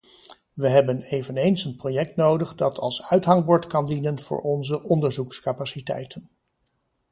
We hebben eveneens een project nodig dat als uithangbord kan dienen voor onze onderzoekscapaciteiten.